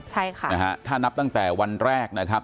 ใช่ค่ะนะฮะถ้านับตั้งแต่วันแรกนะครับ